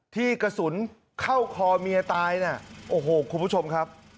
ที่กระสุนเข้าคอเมียตายน่ะโอ้โหคุณผู้ชมครับ